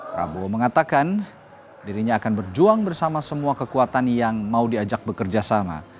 prabowo mengatakan dirinya akan berjuang bersama semua kekuatan yang mau diajak bekerja sama